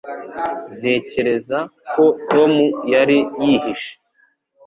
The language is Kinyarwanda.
Ntekereza ko Tom yari yihishe